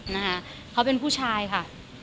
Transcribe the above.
นะคะเขาเป็นผู้ชายค่ะ